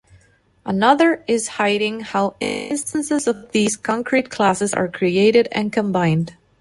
Another is hiding how instances of these concrete classes are created and combined.